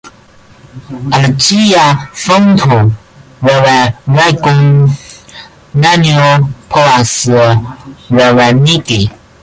Al ĝia fonto riveregon neniu povas revenigi.